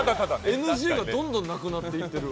ＮＧがどんどんなくなっちゃってる。